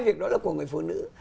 việc đó là của người phụ nữ